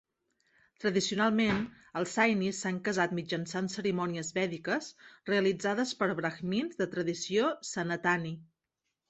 Tradicionalment, els Sainis s'han casat mitjançant cerimònies vèdiques realitzades per brahmins de tradició Sanatani.